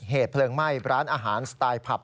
เหตุเพลิงไหม้ร้านอาหารสไตล์ผับ